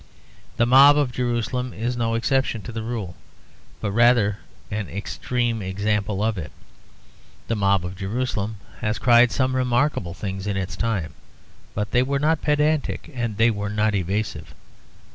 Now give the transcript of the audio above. The mob of Jerusalem is no exception to the rule, but rather an extreme example of it. The mob of Jerusalem has cried some remarkable things in its time; but they were not pedantic and they were not evasive.